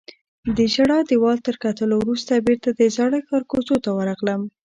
د ژړا دیوال تر کتلو وروسته بیرته د زاړه ښار کوڅو ته ورغلم.